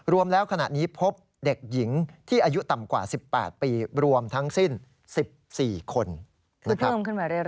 รวมแล้วขณะนี้พบเด็กหญิงที่อายุต่ำกว่า๑๘ปีรวมทั้งสิ้น๑๔คนนะครับ